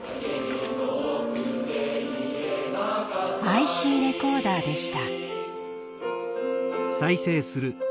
ＩＣレコーダーでした。